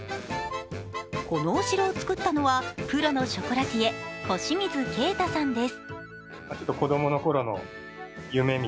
このお城を作ったのは、プロのショコラティエ、小清水圭太さんです。